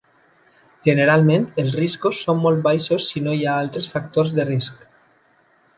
Generalment, els riscos són molt baixos si no hi ha altres factors de risc.